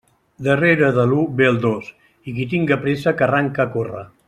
Darrere de l'u ve el dos, i qui tinga pressa que arranque a córrer.